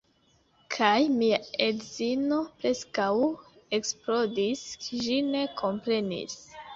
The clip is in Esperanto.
Kaj mia edzino preskaŭ eksplodis, ĝi ne komprenis.